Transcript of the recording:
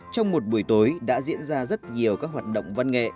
trong một buổi tối đã diễn ra rất nhiều các hoạt động văn nghệ